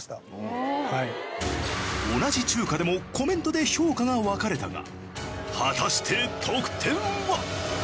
同じ中華でもコメントで評価が分かれたが果たして得点は？